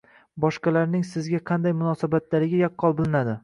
boshqalarning sizga qanday munosabatdaligi yaqqol bilinadi.